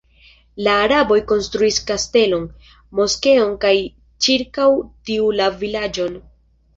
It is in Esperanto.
La araboj konstruis kastelon, moskeon kaj ĉirkaŭ tiu la vilaĝon.